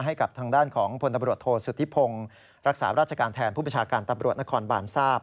ให้กับทางด้านของพลตำรวจโทษสุธิพงศ์รักษาราชการแทนผู้ประชาการตำรวจนครบานทราบ